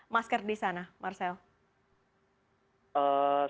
masker di sana marcel